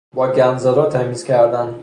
با گندزدا تمیز کردن